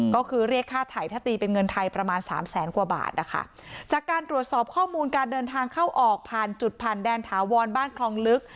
ก็คือเรียกค่าไถถ้าตีเป็นเงินไทยประมาณสามแสนกว่าบาทนะคะจากการตรวจสอบข้อมูลการเดินทางเข้าออกผ่านจุดผ่านแดนถาวรบ้านคลองลึก